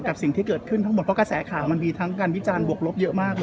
สิ่งที่เกิดขึ้นทั้งหมดเพราะกระแสข่าวมันมีทั้งการวิจารณ์บวกลบเยอะมากเลย